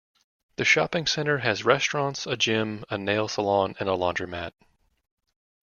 The shopping center has restaurants, a gym, a nail saloon, and a laundromat.